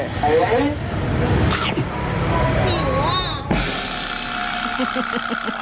ผิววววว